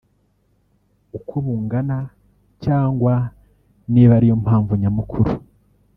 uko bungana cyangwa niba ari yo mpamvu nyamukuru